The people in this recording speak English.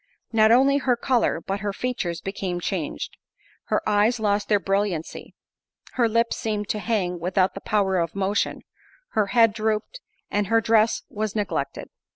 Not only her colour, but her features became changed; her eyes lost their brilliancy, her lips seemed to hang without the power of motion, her head drooped, and her dress was neglected.